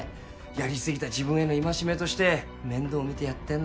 やり過ぎた自分への戒めとして面倒見てやってんの。